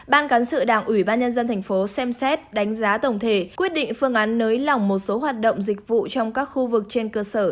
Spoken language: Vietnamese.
ban cán sự đảng ủy ban nhân dân thành phố xem xét đánh giá tổng thể quyết định phương án nới lỏng một số hoạt động dịch vụ trong các khu vực trên cơ sở